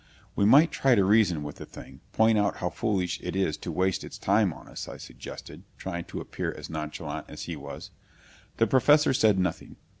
"We might try to reason with the thing point out how foolish it is to waste its time on us," I suggested, trying to appear as nonchalant as he was. The Professor said nothing.